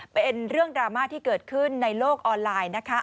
เป็นเรื่องดราม่าที่เกิดขึ้นในโลกออนไลน์นะคะ